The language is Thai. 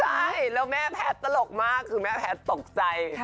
ใช่แล้วแม่แพทย์ตลกมากคือแม่แพทย์ตกใจ